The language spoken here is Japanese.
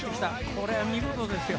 これは見事ですよ。